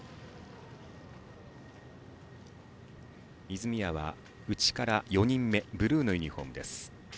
泉谷は内から４人目ブルーのユニフォーム。